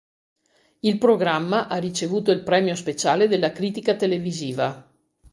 Il programma ha ricevuto il premio speciale della critica televisiva.